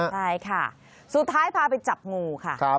ใช่ค่ะสุดท้ายพาไปจับงูค่ะ